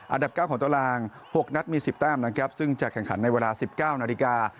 อันดับ๙ของตาราง๖นัดมี๑๐แต้มนะครับซึ่งจะแข่งขันในเวลา๑๙นาฬิกา